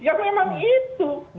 ya memang itu